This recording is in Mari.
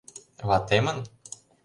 Ватемын?